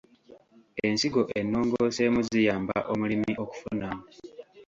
Ensigo ennongooseemu ziyamba omulimi okufunamu.